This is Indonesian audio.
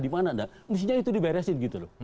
mestinya itu diberesin